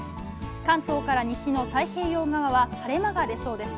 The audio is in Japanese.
関東から西の太平洋側は晴れ間が出そうです。